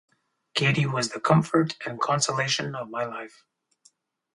Katie was the comfort and consolation of my life.